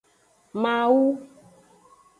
Mawu.